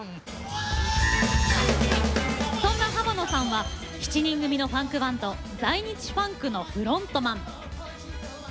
そんな浜野さんは７人組のファンクバンド在日ファンクのフロントマン。